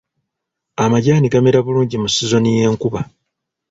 Amajaani gamera bulungi mu sizoni y'enkuba.